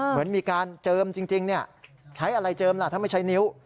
เหมือนมีการเจิมจริงใช้อะไรเจิมล่ะถ้าไม่ใช้นิ้ว